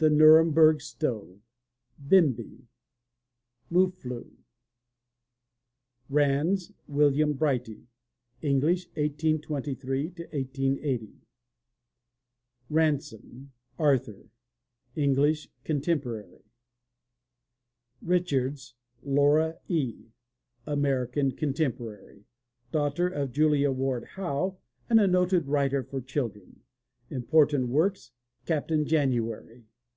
The Nuremberg Stove. Bimbi. Moufflou RANDS, WILLIAM BRIGHTY (English, 1823 1880) RANSOME, ARTHUR (English, contemporary) RICHARDS, LAURA E. (American, contemporary) Daughter of Julia Ward Howe and a noted writer for children. Important Works: Captain January.